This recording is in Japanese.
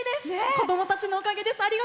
子どもたちのおかげです。